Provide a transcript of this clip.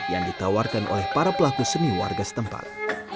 yang ditawarkan oleh para pelaku seni warga setempat